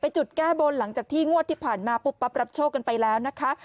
จุดแก้บนหลังจากที่งวดที่ผ่านมาปุ๊บปั๊บรับโชคกันไปแล้วนะคะ